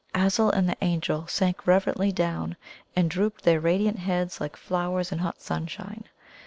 Azul and the Angel sank reverently down and drooped their radiant heads like flowers in hot sunshine.